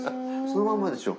そのまんまでしょ。